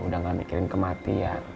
udah gak mikirin kematian